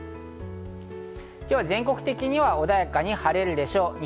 今日は全国的には穏やかに晴れるでしょう。